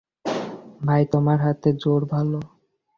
ভাই, তোমার হাতে জোর ভালো।